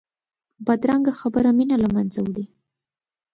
بدرنګه خبره مینه له منځه وړي